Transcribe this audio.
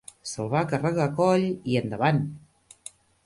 Se'l va carregar a coll... i endavant!